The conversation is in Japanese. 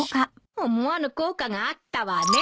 思わぬ効果があったわね。